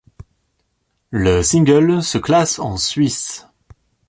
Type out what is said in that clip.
Le single se classe en Suisse.